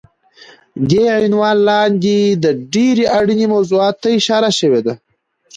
دې عنوان لاندې د ډېرې اړینې موضوعاتو ته اشاره شوی دی